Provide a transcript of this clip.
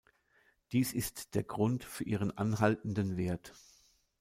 Dies ist der Grund für ihren anhaltenden Wert.